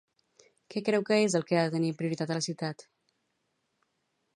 Què creu que és el que ha de tenir prioritat a la ciutat?